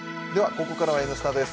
ここからは「Ｎスタ」です。